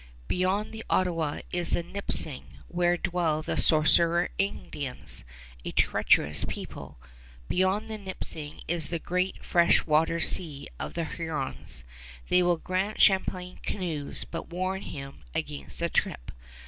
Beyond the Ottawa is the Nipissing, where dwell the Sorcerer Indians a treacherous people. Beyond the Nipissing is the great Fresh Water Sea of the Hurons. They will grant Champlain canoes, but warn him against the trip.